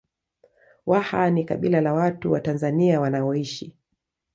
Waha ni kabila la watu wa Tanzania wanaoishi